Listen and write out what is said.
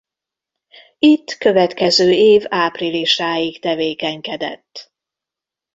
Itt következő év áprilisáig tevékenykedett.